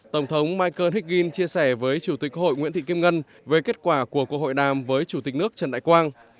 tổng thống michael higgins chia sẻ với chủ tịch quốc hội nguyễn thị kim ngân về kết quả của cuộc hội đàm với chủ tịch nước trần đại quang